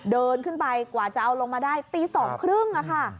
เดินขึ้นไปกว่าจะเอาลงมาได้ตี๒๓๐ค่ะ